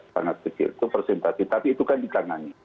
sangat kecil itu persentasi tapi itu kan di tangani